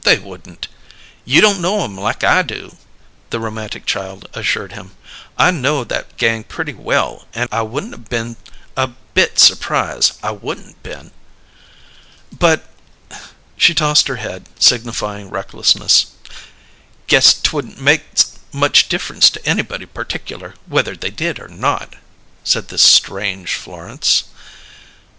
"They wouldn't " "You don't know 'em like I do," the romantic child assured him. "I know that gang pretty well, and I wouldn't been a bit surprised. I wouldn't been!" "But " She tossed her head, signifying recklessness. "Guess 'twouldn't make much difference to anybody particular, whether they did or not," said this strange Florence.